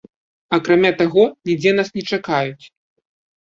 Акрамя таго, нідзе нас не чакаюць.